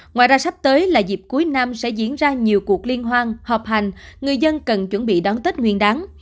ngoài ra sắp tới là dịp cuối năm sẽ diễn ra nhiều cuộc liên hoan họp hành người dân cần chuẩn bị đón tết nguyên đáng